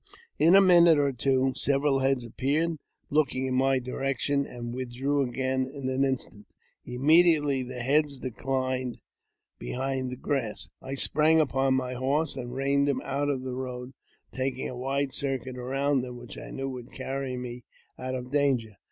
In a minute or two several heads appeared, looking in my direction, and withdrew^ again in an instant. Immediately the heads declined behind the grass, I sprang upon my horse, and reined him out of the road, taking a wide circuit round them, which I knew would carry me out of danger.